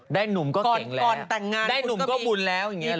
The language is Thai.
ได้หนุ่มก็เก่งแล้วได้หนุ่มก็บุญแล้ว